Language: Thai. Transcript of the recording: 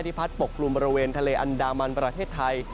พัดปกกลุ่มบริเวณทะเลอันดามันประเทศไทย